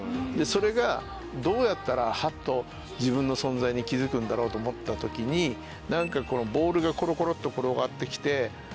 それがどうやったらハッと自分の存在に気付くんだろうと思った時にボールがコロコロっと転がって来て。